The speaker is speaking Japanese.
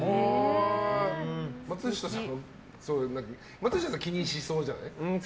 松下さんは気にしそうじゃない？